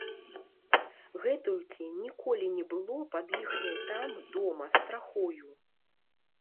Гэтулькі ніколі не было пад іхняй там, дома, страхою.